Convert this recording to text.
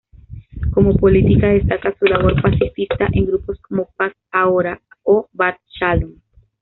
Como política destaca su labor pacifista en grupos como Paz Ahora o Bat Shalom.